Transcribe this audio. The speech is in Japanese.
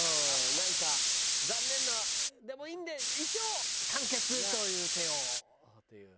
なんか残念なでもいいんで一応完結という手をっていう。